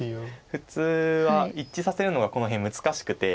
普通は一致させるのがこの辺難しくて。